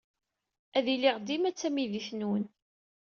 Ad iliɣ dima d tamidit-nwent.